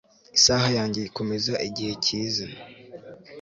isaha yanjye ikomeza igihe cyiza